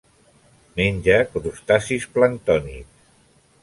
Menja crustacis planctònics.